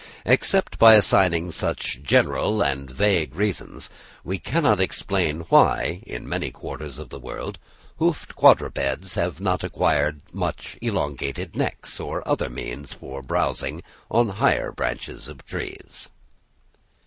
Except by assigning such general and vague reasons, we cannot explain why, in many quarters of the world, hoofed quadrupeds have not acquired much elongated necks or other means for browsing on the higher branches of trees.